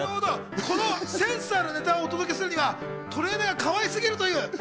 センスあるネタをお届けするにはトレーナーがかわい過ぎるという。